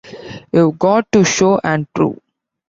You've got to show and prove.